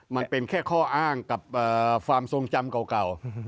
มันเป็นแค่ข้ออ้างกับความทรงจำเก่า